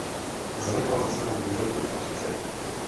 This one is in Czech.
Zanechal za sebou manželku a tři dcery.